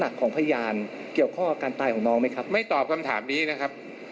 เฮี่ยไม่ตอบคำถามนี้นะครับ